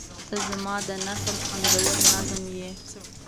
• ته زما د نثر خوندور نظم یې.